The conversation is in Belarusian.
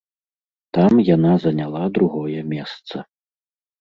Там яна заняла другое месца.